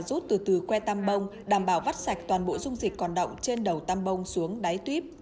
rút từ từ que tam bông đảm bảo vắt sạch toàn bộ dung dịch còn động trên đầu tam bông xuống đáy tuyếp